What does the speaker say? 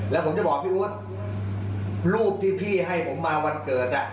แล้วผมจะบอกพี่วุฒิรูปที่พี่ให้ผมมาวันเกิด